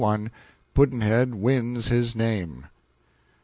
Pudd'nhead Wins His Name.